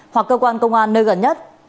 hoặc cơ quan công an nơi gần nhất